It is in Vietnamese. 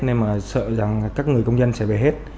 nên mà sợ rằng các người công nhân sẽ về hết